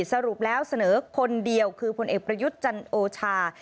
สรุปแล้วเสนอคนเดียวคือผลเอกประยุทธ์จันโอชา